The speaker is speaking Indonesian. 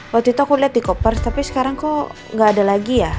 waktu itu aku lihat di koper tapi sekarang kok gak ada lagi ya